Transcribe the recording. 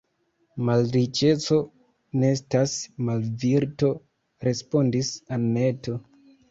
Malriĉeco ne estas malvirto, respondis Anneto.